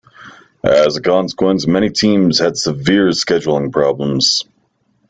As a consequence, many teams had severe scheduling problems.